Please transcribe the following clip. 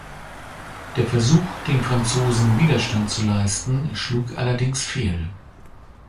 Der Versuch, den Franzosen Widerstand zu leisten, schlug allerdings fehl.